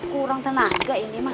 kurang tenaga ini mah